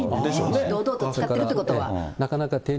堂々と使ってるということは。